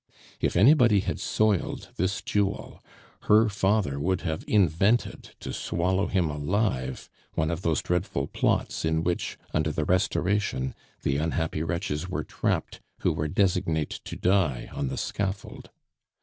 If anybody had soiled this jewel, her father would have invented, to swallow him alive, one of those dreadful plots in which, under the Restoration, the unhappy wretches were trapped who were designate to die on the scaffold.